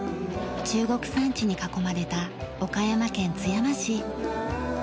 中国山地に囲まれた岡山県津山市。